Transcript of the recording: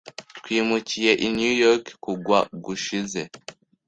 Twimukiye i New York kugwa gushize.